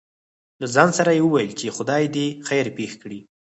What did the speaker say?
له ځان سره يې وويل :چې خداى دې خېر پېښ کړي.